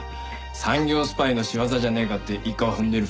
産業スパイの仕業じゃねえかって一課は踏んでいる。